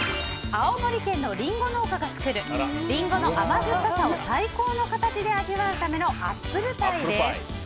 青森県のりんご農家が作るりんごの甘酸っぱさを最高の形で味わうためのアップルパイです。